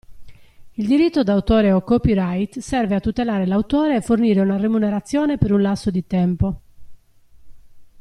Il Diritto d’autore o CopyRight serve a tutelare l’autore e fornire una remunerazione per un lasso di tempo.